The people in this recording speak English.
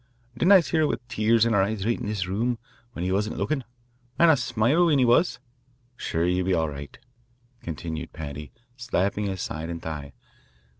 Didn't I see her with tears in her eyes right in this room when he wasn't lookin', and a smile when he was? Sure, ye'll be all right," continued Paddy, slapping his side and thigh.